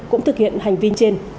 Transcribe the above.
cũng thực hiện hành vi trên